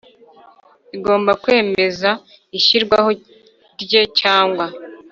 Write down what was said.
Igomba kwemeza ishyirwaho rye cyangwa